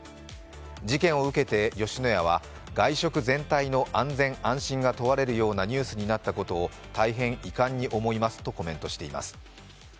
事件を受けて吉野家は、外食全体の安全・安心が問われるようなニュースになったことを大変遺憾に思いますとコメントしています。